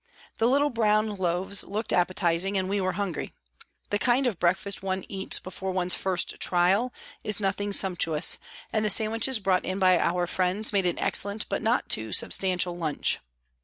The little brown loaves looked appetising, and we were hungry. The kind of breakfast one eats before one's first " trial " is nothing sumptuous, and the sandwiches brought in by our friends made an excellent but not too sub stantial lunch.